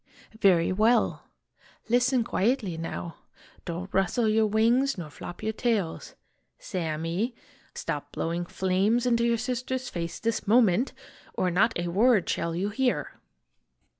" Very well. Listen quietly, now. Don't rustle your wings nor flop your tails. Sammy ! stop blowing flames into your sister's face, this moment! or not a word shall you hear.